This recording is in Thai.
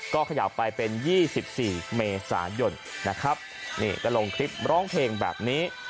ก็ขยับไปเป็น๒๔เมษายนนะครับนี่ก็ลงคลิปร้องเพลงแบบนี้